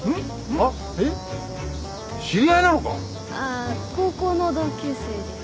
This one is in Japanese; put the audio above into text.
あ高校の同級生です。